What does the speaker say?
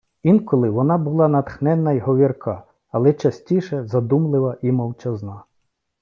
Інколи вона була натхненна й говірка, але частіше - задумлива і мовчазна